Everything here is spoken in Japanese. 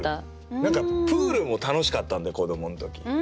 何かプールも楽しかったんで子どもの時。